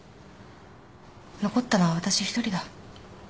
残ったのは私一人だ。